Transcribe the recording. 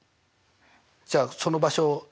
じゃあその場所を。